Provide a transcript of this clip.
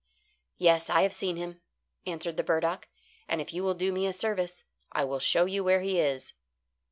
"Yes, I have seen him," answered the burdock; "and if you will do me a service, I will show you where he is."